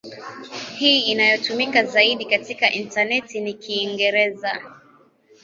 Hii inayotumika zaidi katika intaneti ni Kiingereza.